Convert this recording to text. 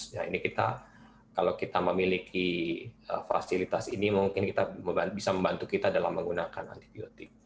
nah ini kita kalau kita memiliki fasilitas ini mungkin kita bisa membantu kita dalam menggunakan antibiotik